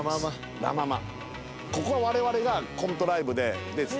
ここは我々がコントライブで出てた。